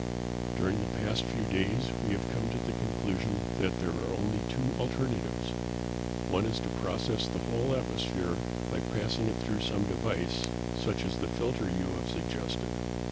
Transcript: "During the past few days we have come to the conclusion that there are only two alternatives: One is to process the whole atmosphere by passing it through some device, such as the filter you have suggested.